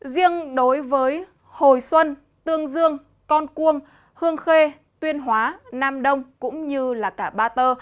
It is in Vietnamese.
riêng đối với hồi xuân tương dương con cuông hương khê tuyên hóa nam đông cũng như cả ba tơ